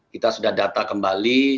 kita sudah data kembali